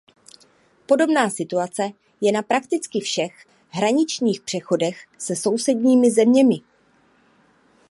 Podobná situace je na prakticky všech hraničních přechodech se sousedními zeměmi.